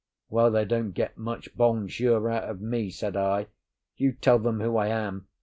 "Well, they don't get much bonjour out of me," said I. "You tell them who I am.